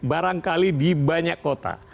barangkali di banyak kota